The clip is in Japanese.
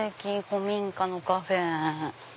古民家のカフェ。